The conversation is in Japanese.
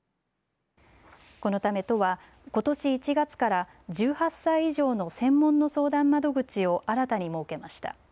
このため都はことし１月から１８歳以上の専門の相談窓口を新たに設けました。